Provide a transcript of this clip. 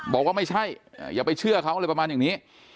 บอกว่าไม่ใช่อย่าไปเชื่อเขาอะไรประมาณอย่างนี้